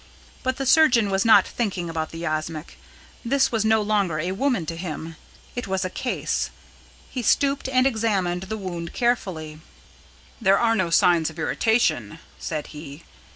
But the surgeon was not thinking about the yashmak. This was no longer a woman to him. It was a case. He stooped and examined the wound carefully. "There are no signs of irritation," said he.